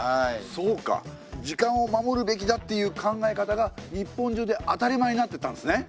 そうか「時間を守るべきだ」っていう考え方が日本中で当たり前になってったんですね。